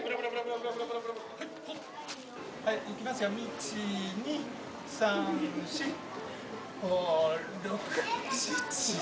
はいいきますよ１２３４５６７。